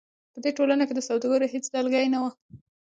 په دې ټولنو کې د سوداګرو هېڅ ډلګۍ نه وه.